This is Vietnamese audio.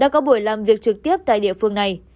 đã có buổi làm việc trực tiếp tại địa phương này